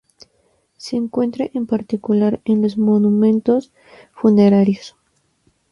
Se encuentra en particular, en los monumentos funerarios.